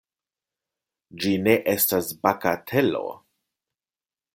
Ĝi ne estas bagatelo!